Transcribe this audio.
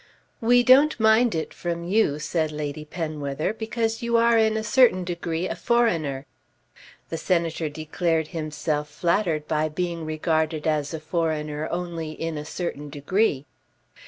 "We don't mind it from you," said Lady Penwether, "because you are in a certain degree a foreigner." The Senator declared himself flattered by being regarded as a foreigner only "in a certain degree."